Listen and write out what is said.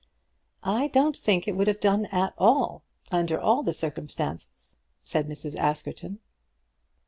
"I don't think it would have done at all, under all the circumstances," said Mrs. Askerton.